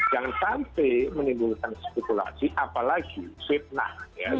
jangan sampai menimbulkan spekulasi apalagi fitnah